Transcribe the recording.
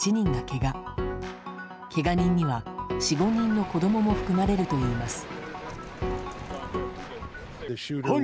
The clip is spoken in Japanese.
けが人には、４５人の子供も含まれるといいます。